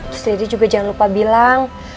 terus deddy juga jangan lupa bilang